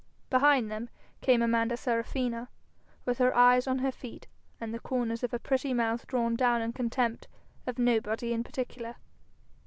Behind them came Amanda Serafina, with her eyes on her feet, and the corners of her pretty mouth drawn down in contempt of nobody in particular.